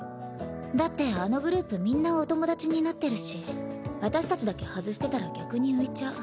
だってあのグループみんなお友達になってるし私たちだけ外してたら逆に浮いちゃう。